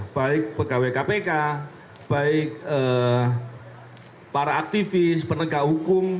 baik pegawai kpk baik para aktivis penegak hukum